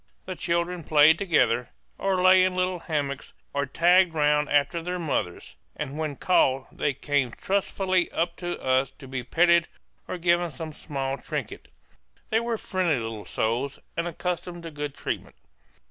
The children played together, or lay in little hammocks, or tagged round after their mothers; and when called they came trustfully up to us to be petted or given some small trinket; they were friendly little souls, and accustomed to good treatment.